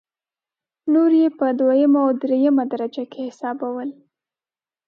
نور یې په دویمه او درېمه درجه کې حسابول.